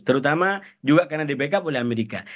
terutama juga karena di backup oleh amerika